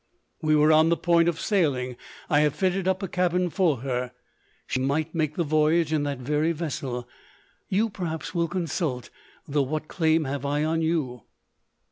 We were on the point of sailing; — I have fitted up a cabin for her; — she might make the voyage in that very vessel. You, perhaps, will consult — though what claim have I on you